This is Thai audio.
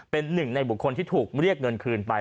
เป็นหนึ่งในบุคคลที่ถูกเรียกเงินคืนไป